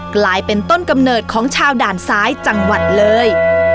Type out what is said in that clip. กลายเป็นต้นกำเนิดของชาวด่านซ้ายจังหวัดเลย